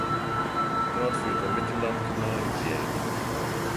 Dort führt der Mittellandkanal über die Elbe.